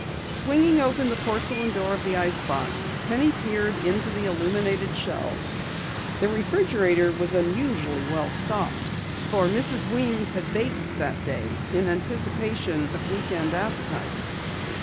Swinging open the porcelain door of the ice box, Penny peered into the illuminated shelves. The refrigerator was unusually well stocked, for Mrs. Weems had baked that day in anticipation of week end appetites.